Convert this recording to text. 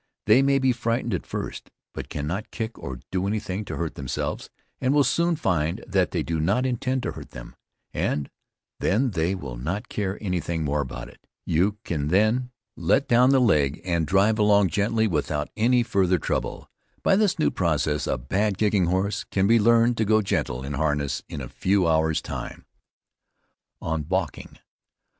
They may be frightened at first, but cannot kick or do any thing to hurt themselves, and will soon find that you do not intend to hurt them, and then they will not care any thing more about it. You can then let down the leg and drive along gently without any farther trouble. By this new process a bad kicking horse can be learned to go gentle in harness in a few hours' time. ON BALKING.